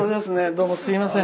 どうもすいません。